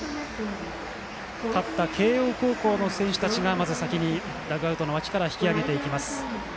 勝った慶応高校の選手たちがまず先にダグアウト脇から引き揚げます。